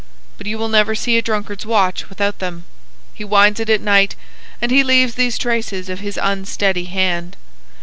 But you will never see a drunkard's watch without them. He winds it at night, and he leaves these traces of his unsteady hand.